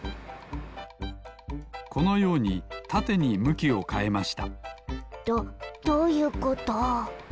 このようにたてにむきをかえましたどどういうこと？